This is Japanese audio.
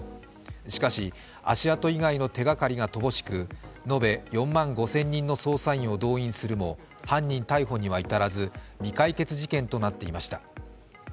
しかし足跡以外の手がかりが乏しく延べ４万５０００人の捜査員を動員するも犯人逮捕には至らず未解決事件となっていました。